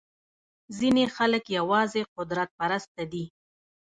ځینې خلک یوازې قدرت پرسته دي.